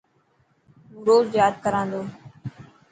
هون روز ياد ڪران ٿو.